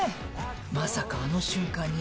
まさかあの瞬間に。